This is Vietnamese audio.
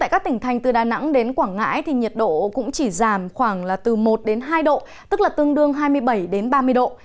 các tỉnh thành từ đà nẵng đến quảng ngãi thì nhiệt độ cũng chỉ giảm khoảng là từ một hai độ tức là tương đương hai mươi bảy đến ba mươi độ